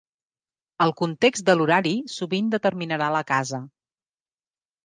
El context de l'horari sovint determinarà la casa.